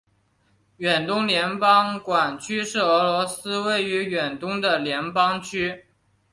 远东联邦管区是俄罗斯位于远东的联邦区。